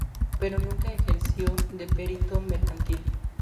Pero nunca ejerció de Perito Mercantil.